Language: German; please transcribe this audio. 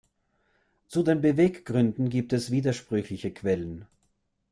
Zu den Beweggründen gibt es widersprüchliche Quellen.